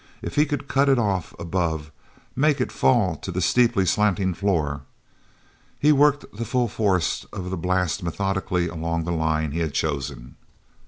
If he could cut it off above, make it fall to the steeply slanting floor.... He worked the full force of the blast methodically along the line he had chosen.